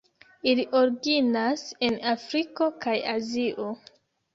Ili originas en Afriko kaj Azio.